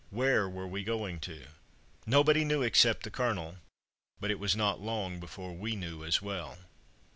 Where were we going to? Nobody knew except the Colonel, but it was not long before we knew as well.